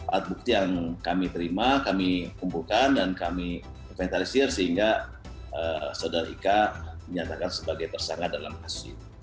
alat bukti yang kami terima kami kumpulkan dan kami inventarisir sehingga saudara ika menyatakan sebagai tersangka dalam kasus ini